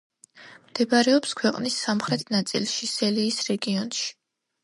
მდებარეობს ქვეყნის სამხრეთ ნაწილში, სელიის რეგიონში.